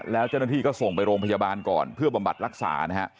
แล้วเจ้าหน้าที่ก็ส่งไปโรงพยาบาลก่อนเพื่อบำบัดรักษานะฮะ